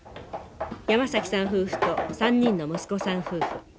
山崎さん夫婦と３人の息子さん夫婦。